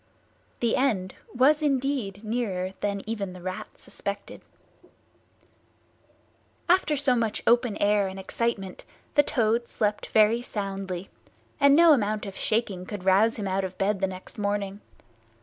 The end was indeed nearer than even the Rat suspected. After so much open air and excitement the Toad slept very soundly, and no amount of shaking could rouse him out of bed next morning.